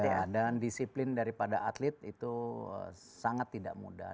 ya dan disiplin daripada atlet itu sangat tidak mudah